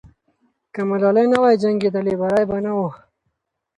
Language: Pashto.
که ملالۍ نه وای جنګېدلې، بری به نه وو.